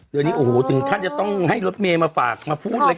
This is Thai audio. เดี๋ยวนี้ถึงท่านจะต้องให้รถเมล์มาฝากมาพูดเลย